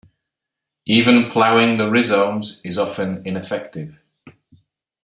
Even ploughing the rhizomes is often ineffective.